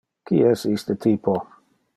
Qui es iste typo?